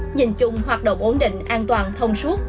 nhìn chung hoạt động ổn định an toàn thông suốt